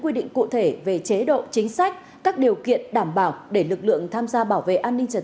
quy định cụ thể về chế độ chính sách các điều kiện đảm bảo để lực lượng tham gia bảo vệ an ninh trật